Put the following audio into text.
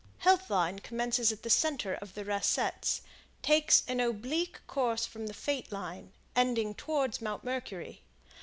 Health Line commences at center of the Rascettes, takes an oblique course from Fate Line, ending toward Mount Mercury.